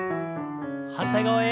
反対側へ。